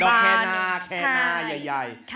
ดอกแคร์หน้าแคร์หน้าใหญ่